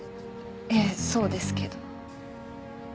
ええそうですけど。